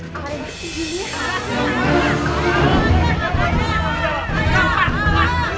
marina sudah geej teeny